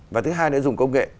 và thứ hai nữa là dùng công nghệ